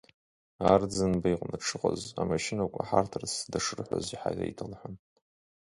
Арӡынба иҟны дшыҟаз, амашьынақәа ҳарҭарц дышрыҳәаз ҳзеиҭалҳәон.